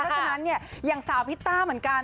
เพราะฉะนั้นเนี่ยอย่างสาวพิตต้าเหมือนกัน